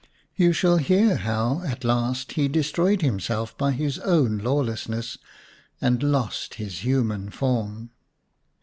You shall hear how at last he destroyed him self by his own lawlessness, and lost his human form.